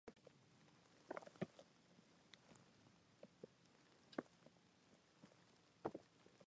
I am the one that sings, but he takes care of everything else.